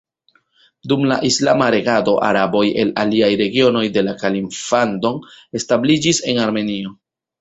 Dum la islama regado araboj el aliaj regionoj de la Kaliflando establiĝis en Armenio.